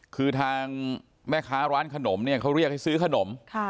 คือทางแม่ค้าร้านขนมเนี่ยเขาเรียกให้ซื้อขนม